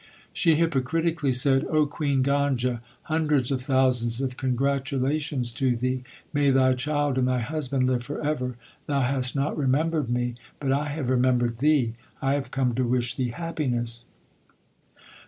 She hypocritically said, O Queen Ganga, hundreds of thousands of congratulations to thee ! May thy child and thy husband live for ever ! Thou hast not re membered me, but I have remembered thee. I have come to wish thee happiness.